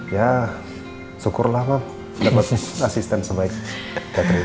ya syukurlah ma dapet asisten sebaik catherine